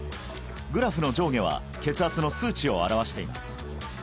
グラフの上下は血圧の数値を表しています